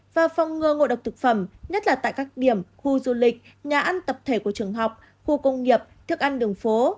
và phòng ngừa ngộ độc thực phẩm nhất là tại các điểm khu du lịch nhà ăn tập thể của trường học khu công nghiệp thức ăn đường phố